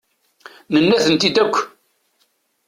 Nenna-tent-id akk.